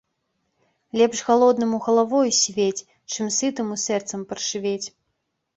Лепш галоднаму галавою сівець, чым сытаму сэрцам паршывець.